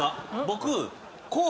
僕。